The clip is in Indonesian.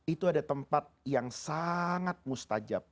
itu ada tempat yang sangat mustajab